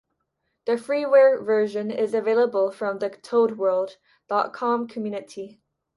The Freeware version is available from the ToadWorld dot com community.